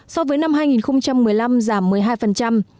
so với năm hai nghìn một mươi năm giảm một mươi hai